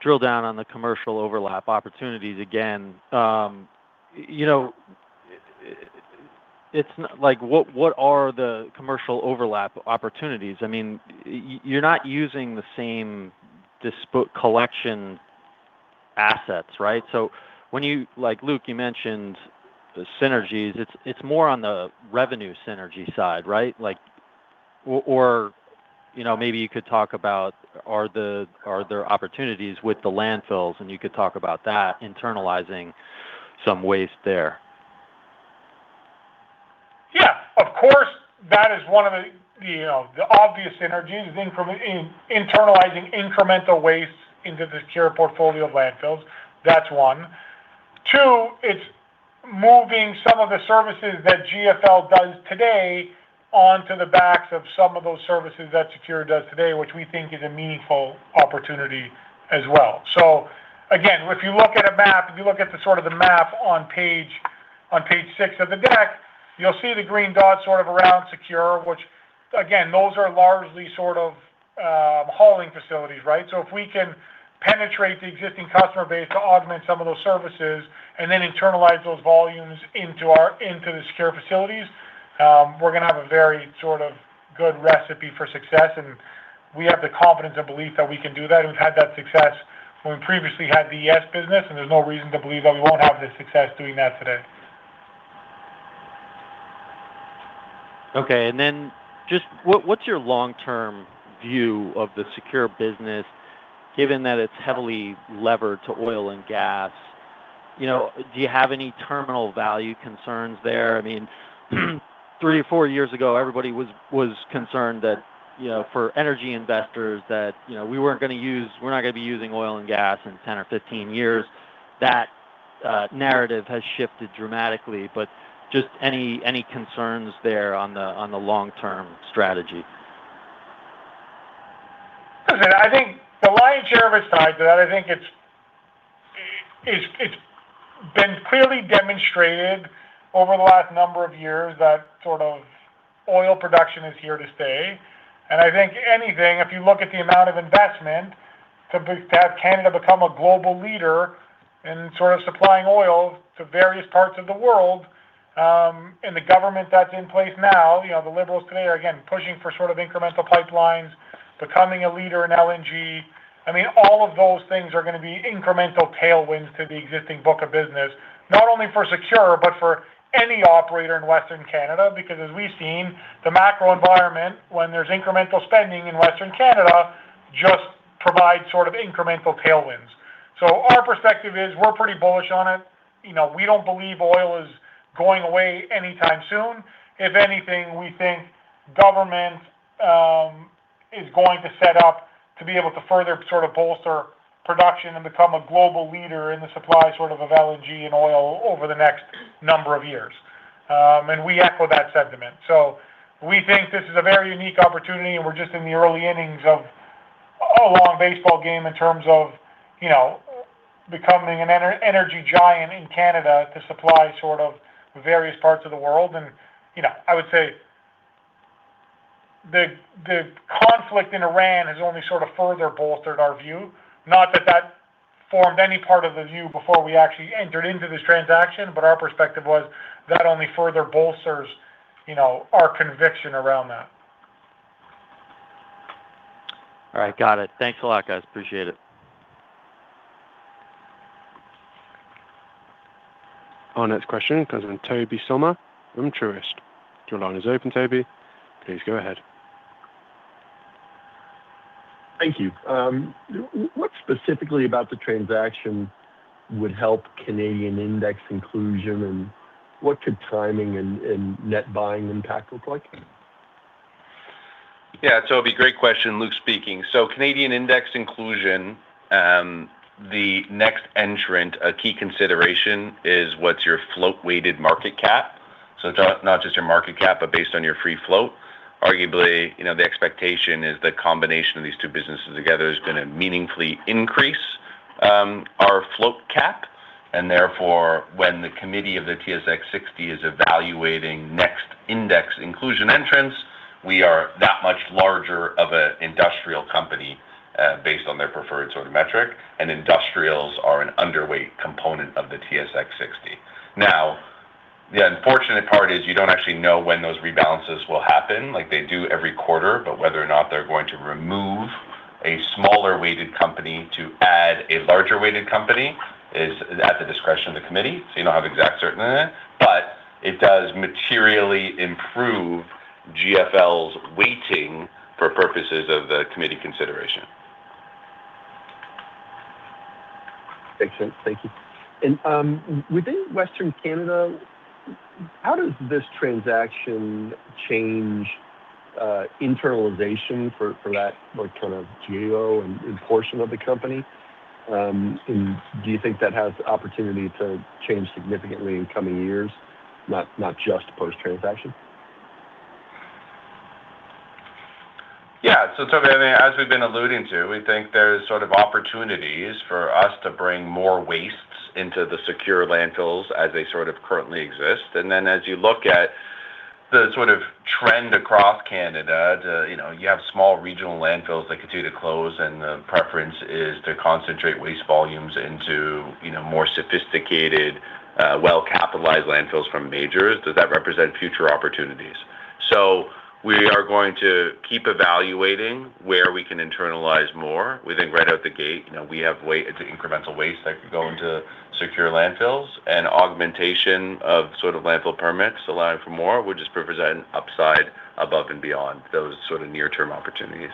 S12: drill down on the commercial overlap opportunities again. What are the commercial overlap opportunities? You're not using the same disposal collection assets, right? Luke, you mentioned the synergies, it's more on the revenue synergy side, right? Maybe you could talk about are there opportunities with the landfills, and you could talk about that, internalizing some waste there.
S2: Yeah. Of course, that is one of the obvious synergies is internalizing incremental waste into the SECURE portfolio of landfills. That's one. Two, it's moving some of the services that GFL does today onto the backs of some of those services that SECURE does today, which we think is a meaningful opportunity as well. Again, if you look at the sort of the map on page six of the deck, you'll see the green dots sort of around SECURE, which again, those are largely sort of hauling facilities, right? If we can penetrate the existing customer base to augment some of those services and then internalize those volumes into the SECURE facilities, we're going to have a very good recipe for success and we have the confidence and belief that we can do that. We've had that success when we previously had the ES business, and there's no reason to believe that we won't have the success doing that today.
S12: Just what's your long-term view of the SECURE business, given that it's heavily levered to oil and gas? Do you have any terminal value concerns there? Three or four years ago, everybody was concerned that for energy investors, that we're not going to be using oil and gas in 10 or 15 years. That narrative has shifted dramatically. Just any concerns there on the long-term strategy?
S2: Listen, the lion's share of it aside to that, I think it's been clearly demonstrated over the last number of years that sort of oil production is here to stay. I think anything, if you look at the amount of investment to have Canada become a global leader in sort of supplying oil to various parts of the world, and the government that's in place now, the Liberals today are, again, pushing for sort of incremental pipelines, becoming a leader in LNG. All of those things are going to be incremental tailwinds to the existing book of business, not only for SECURE, but for any operator in Western Canada. Because as we've seen, the macro environment, when there's incremental spending in Western Canada, just provides sort of incremental tailwinds. Our perspective is we're pretty bullish on it. We don't believe oil is going away anytime soon. If anything, we think government is going to set up to be able to further sort of bolster production and become a global leader in the supply sort of LNG and oil over the next number of years. We echo that sentiment. We think this is a very unique opportunity, and we're just in the early innings of a long baseball game in terms of becoming an energy giant in Canada to supply sort of various parts of the world. I would say the conflict in Iran has only sort of further bolstered our view, not that that formed any part of the view before we actually entered into this transaction, but our perspective was that only further bolsters our conviction around that.
S12: All right. Got it. Thanks a lot, guys. Appreciate it.
S1: Our next question comes from Tobey Sommer from Truist. Your line is open, Tobey. Please go ahead.
S13: Thank you. What specifically about the transaction would help Canadian Index inclusion, and what could timing and net buying impact look like?
S3: Yeah, Tobey, great question. Luke speaking. Canadian Index inclusion, the next entrant, a key consideration is what's your float-weighted market cap. It's not just your market cap, but based on your free float. Arguably, the expectation is the combination of these two businesses together is going to meaningfully increase our float cap, and therefore, when the committee of the TSX 60 is evaluating next index inclusion entrants, we are that much larger of an industrial company based on their preferred sort of metric, and industrials are an underweight component of the TSX 60. The unfortunate part is you don't actually know when those rebalances will happen. Like they do every quarter, but whether or not they're going to remove a smaller weighted company to add a larger weighted company is at the discretion of the committee, so you don't have exact certainty. It does materially improve GFL's weighting for purposes of the committee consideration.
S13: Makes sense. Thank you. Within Western Canada, how does this transaction change internalization for that kind of geo and portion of the company? Do you think that has the opportunity to change significantly in coming years, not just post-transaction?
S3: Yeah. Tobey, I mean, as we've been alluding to, we think there's sort of opportunities for us to bring more wastes into the SECURE landfills as they sort of currently exist. As you look at the sort of trend across Canada, you have small regional landfills that continue to close, and the preference is to concentrate waste volumes into more sophisticated, well-capitalized landfills from majors. Does that represent future opportunities? We are going to keep evaluating where we can internalize more. We think right out the gate, we have waste. It's incremental waste that could go into SECURE landfills, and augmentation of sort of landfill permits allowing for more, would just represent upside above and beyond those sort of near-term opportunities.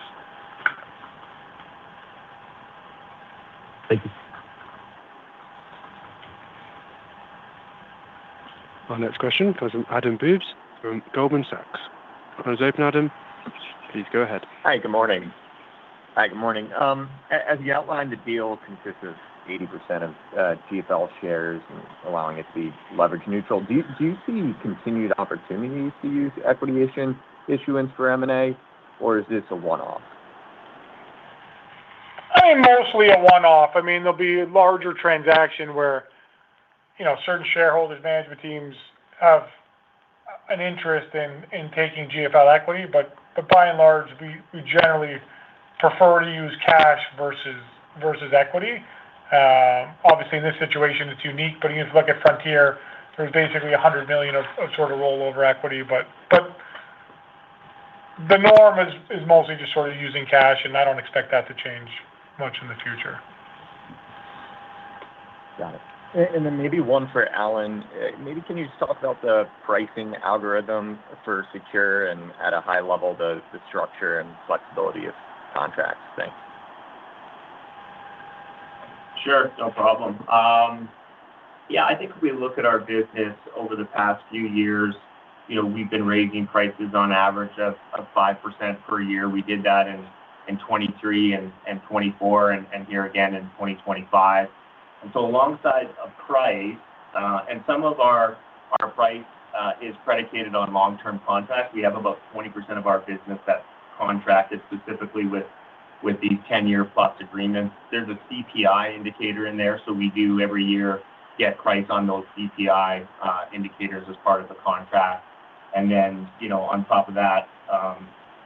S13: Thank you.
S1: Our next question comes from Adam Bubes from Goldman Sachs. Line's open, Adam. Please go ahead.
S14: Hi, good morning. As you outlined, the deal consists of 80% of GFL shares and allowing it to be leverage neutral. Do you see continued opportunities to use equity issuance for M&A or is this a one-off?
S2: I mean, mostly a one-off. I mean, there'll be a larger transaction where certain shareholders, management teams have an interest in taking GFL equity. But by and large, we generally prefer to use cash versus equity. Obviously, in this situation, it's unique, but if you look at Frontier, there's basically 100 million of sort of rollover equity. But the norm is mostly just sort of using cash, and I don't expect that to change much in the future.
S14: Got it. Maybe one for Allen. Maybe can you just talk about the pricing algorithm for SECURE and at a high level, the structure and flexibility of contracts? Thanks.
S4: Sure, no problem. Yeah, I think if we look at our business over the past few years, we've been raising prices on average of 5% per year. We did that in 2023 and 2024 and here again in 2025. Alongside of price, and some of our price is predicated on long-term contracts. We have about 20% of our business that's contracted specifically with these 10-year plus agreements. There's a CPI indicator in there, so we do every year get price on those CPI indicators as part of the contract. On top of that,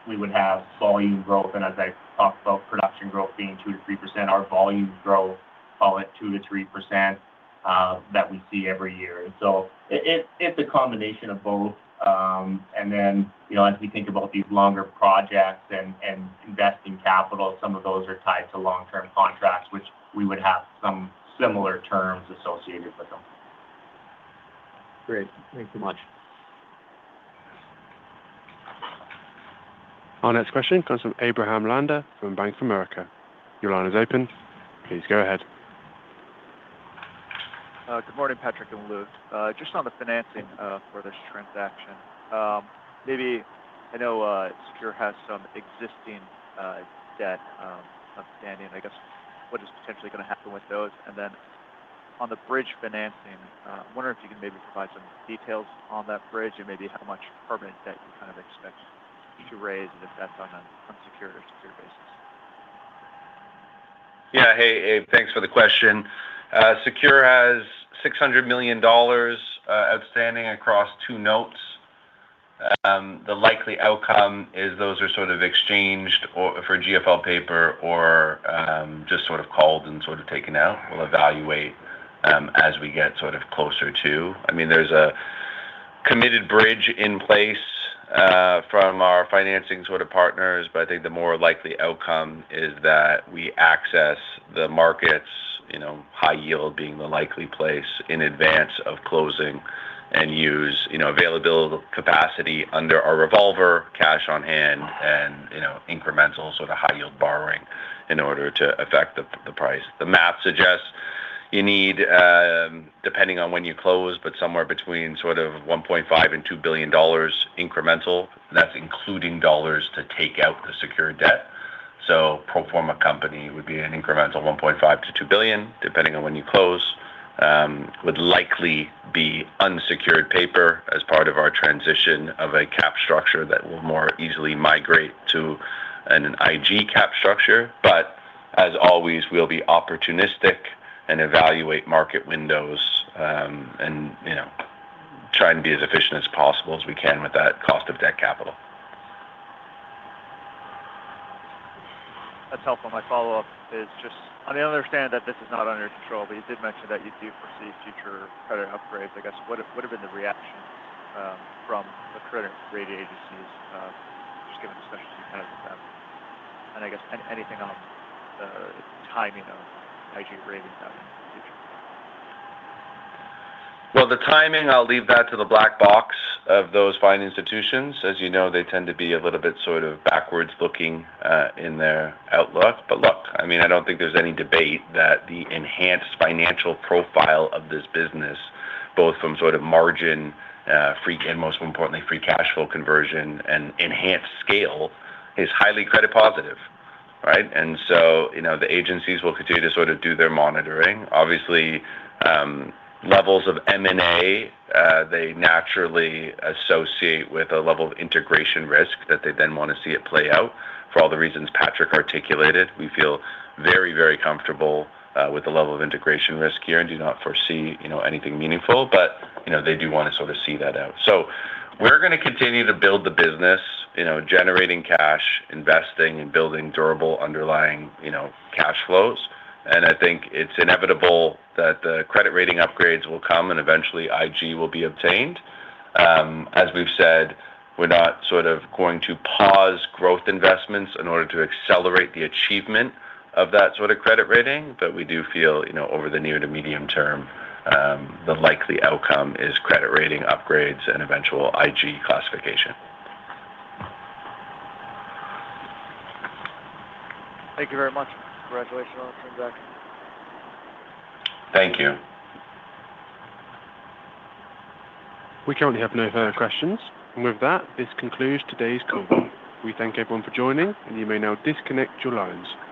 S4: we would have volume growth. As I talked about production growth being 2%-3%, our volume growth, call it 2%-3% that we see every year. It's a combination of both. As we think about these longer projects and investing capital, some of those are tied to long-term contracts, which we would have some similar terms associated with them.
S14: Great. Thank you much.
S1: Our next question comes from Abraham Landa from Bank of America. Your line is open. Please go ahead.
S15: Good morning, Patrick and Luke. Just on the financing for this transaction, I know SECURE has some existing debt outstanding. I guess what is potentially going to happen with those? On the bridge financing, I wonder if you can maybe provide some details on that bridge and maybe how much permanent debt you kind of expect to raise, and if that's on an unsecured or secured basis.
S3: Yeah. Hey, Abe, thanks for the question. SECURE has 600 million dollars outstanding across two notes. The likely outcome is those are sort of exchanged for GFL paper or just sort of called and sort of taken out. We'll evaluate as we get sort of closer. I mean, there's a committed bridge in place from our financing sort of partners. I think the more likely outcome is that we access the markets, high yield being the likely place in advance of closing and use availability capacity under our revolver, cash on hand and incremental sort of high yield borrowing in order to effect the price. The math suggests you need, depending on when you close, somewhere between sort of 1.5 billion and 2 billion dollars incremental. That's including dollars to take out the SECURE debt. The pro forma company would be an incremental 1.5 billion-2 billion, depending on when you close. It would likely be unsecured paper as part of our transition of a cap structure that will more easily migrate to an IG cap structure. As always, we'll be opportunistic and evaluate market windows, and try and be as efficient as possible as we can with that cost of debt capital.
S15: That's helpful. My follow-up is just, I understand that this is not under your control, but you did mention that you do foresee future credit upgrades. I guess, what would've been the reaction from the credit rating agencies, just given the discussions you've had with them? I guess anything on the timing of IG ratings in the future?
S3: Well, the timing, I'll leave that to the black box of those fine institutions. As you know, they tend to be a little bit backwards-looking in their outlook. Look, I don't think there's any debate that the enhanced financial profile of this business, both from margin and most importantly free cash flow conversion and enhanced scale is highly credit positive, right? The agencies will continue to do their monitoring. Obviously, levels of M&A they naturally associate with a level of integration risk that they then want to see it play out. For all the reasons Patrick articulated, we feel very comfortable with the level of integration risk here and do not foresee anything meaningful. They do want to sort of see that out. We're going to continue to build the business, generating cash, investing, and building durable underlying cash flows. I think it's inevitable that the credit rating upgrades will come and eventually IG will be obtained. As we've said, we're not going to pause growth investments in order to accelerate the achievement of that sort of credit rating. We do feel, over the near to medium term the likely outcome is credit rating upgrades and eventual IG classification.
S15: Thank you very much. Congratulations on the transaction.
S3: Thank you.
S1: We currently have no further questions. With that, this concludes today's call. We thank everyone for joining, and you may now disconnect your lines.